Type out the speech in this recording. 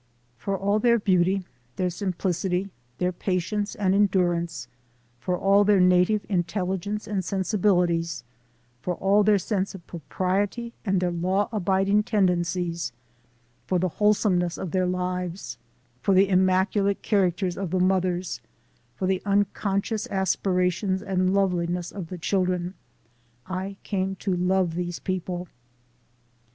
For all their beauty, their simplicity, their patience and endurance, for all their native intel ligence and sensibilities, for all their sense of pro priety and their law abiding tendencies, for the wholesomeness of their lives, for the immaculate characters of the mothers, for the unconscious aspi rations and loveliness of the children, I came to love these people.